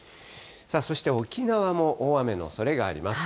そして沖縄も大雨のおそれがあります。